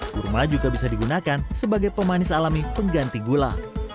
kurma juga bisa digunakan sebagai pemanis alami pengganti gula